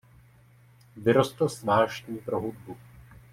Vyrostl s vášní pro hudbu.